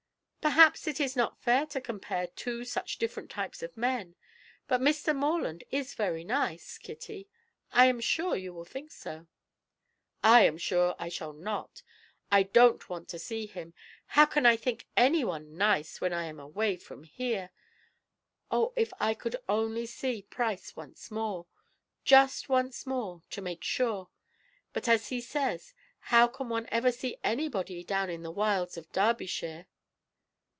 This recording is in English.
"Perhaps it is not fair to compare two such different types of men, but Mr. Morland is very nice, Kitty; I am sure you will think so." "I am sure I shall not; I don't want to see him: how can I think anyone nice when I am away from here? Oh, if I could only see Price once more, just once more, to make sure; but as he says, how can one ever see anybody down in the wilds of Derbyshire?"